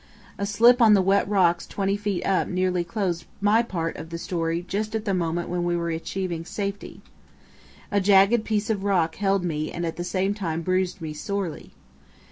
A slip on the wet rocks twenty feet up nearly closed my part of the story just at the moment when we were achieving safety. A jagged piece of rock held me and at the same time bruised me sorely.